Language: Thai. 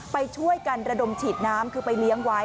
ไปช่วยกันระดมฉีดน้ำคือไปเลี้ยงไว้